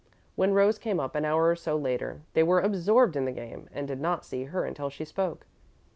When Rose came up, an hour or so later, they were absorbed in their game, and did not see her until she spoke.